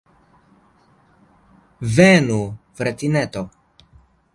Venu, fratineto!